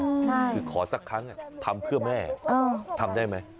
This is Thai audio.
คือขอสักครั้งทำเพื่อแม่ทำได้ไหม